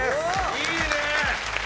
いいね！